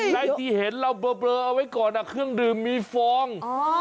และที่เห็นเราเบลอเอาไว้ก่อนเครื่องดื่มมีฟอง